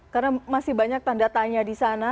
karena masih banyak tanda tanya di sana